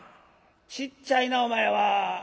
「ちっちゃいなお前は」。